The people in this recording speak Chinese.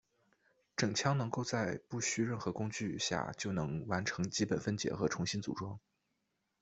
整枪能够在不需任何工具下就能完成基本分解和重新组装。